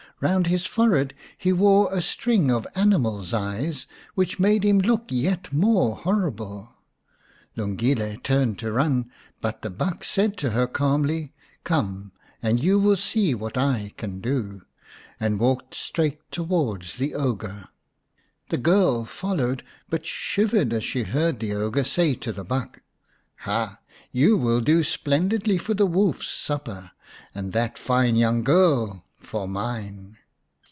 Kound his forehead he wore a string of animals' eyes, which made him look yet more horrible. 220 xviu The Enchanted Buck Lungile turned to run, but the buck said to her calmly, " Come, and you will see what I can do," and walked straight towards the ogre. The girl followed, but shivered as she heard the ogre say to the buck, " Ha, you will do splendidly for the wolfs supper, and that fine young girl for mine